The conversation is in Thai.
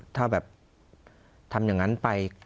ถ้าแบบทำอย่างนั้นไป